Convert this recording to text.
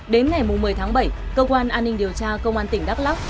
đến ngày một mươi tháng bảy cơ quan an ninh điều tra công an tỉnh đắk lắc